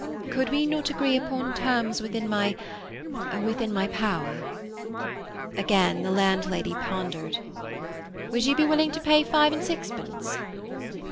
Could we not agree upon terms within my—within my power?" Again the landlady pondered. "Would you be willing to pay five and sixpence?"